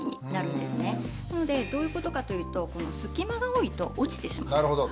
なのでどういうことかというと隙間が多いと落ちてしまう。